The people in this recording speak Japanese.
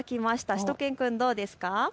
しゅと犬くん、どうですか。